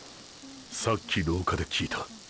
さっき廊下で聞いた。